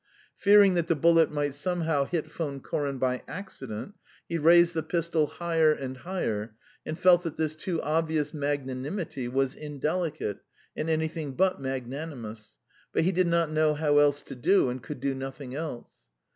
Fearing that the bullet might somehow hit Von Koren by accident, he raised the pistol higher and higher, and felt that this too obvious magnanimity was indelicate and anything but magnanimous, but he did not know how else to do and could do nothing else.